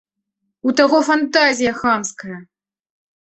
У таго фантазія хамская!